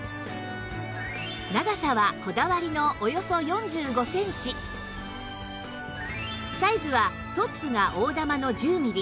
長さはこだわりのおよそ４５センチサイズはトップが大珠の１０ミリ